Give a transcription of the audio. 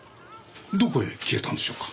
どこへ消えたんでしょうか？